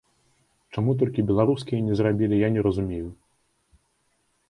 Чаму толькі беларускія не зрабілі, я не разумею.